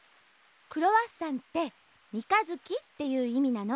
クロワッサンって三日月っていういみなの。